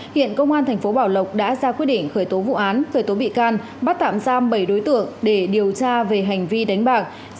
hiện công an thành phố bảo lộc đã ra quyết định khởi tố vụ án khởi tố bị can bắt tạm giam bảy đối tượng để điều tra về hành vi đánh bạc